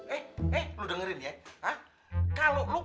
eh eh lo dengerin ya ah